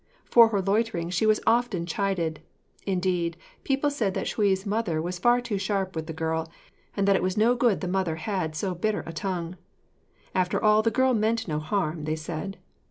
For her loitering she was often chided; indeed, people said Shuï's mother was far too sharp with the girl, and that it was for no good the mother had so bitter a tongue. After all the girl meant no harm, they said.